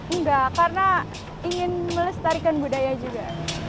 enggak karena ingin melestarikan budaya juga